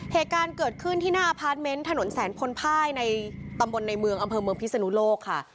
เหตุการณ์เกิดขึ้นที่หน้าพาร์ทเมนต์ถนนแสนพลภายในตำบลในเมืองอำเภอเมืองพิศนุโลกค่ะ